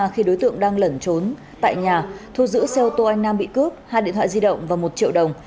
khi đối tượng đang lẩn trốn tại nhà thu giữ xe ô tô anh nam bị cướp hai điện thoại di động và một triệu đồng